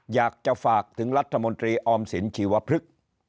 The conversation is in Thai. อยากจะฝากถึงรัฐมนตรีออมสินชีวพฤกษ์